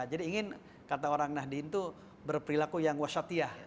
jadi ingin kata orang nahdin tuh berperilaku yang wasyatiah